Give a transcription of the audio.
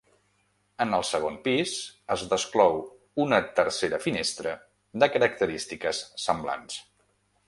En el segon pis es desclou una tercera finestra de característiques semblants.